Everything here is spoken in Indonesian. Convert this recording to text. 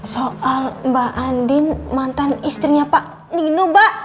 soal mbak andin mantan istrinya pak nino mbak